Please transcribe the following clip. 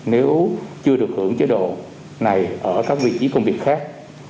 nếu chưa được hưởng chế độ này ở các vị trí công việc khác